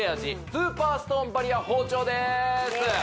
スーパーストーンバリア包丁です